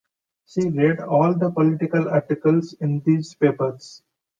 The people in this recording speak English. She read all the political articles in these papers.